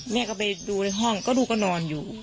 แม่ก็ไปดูในห้องก็ลูกก็นอนอยู่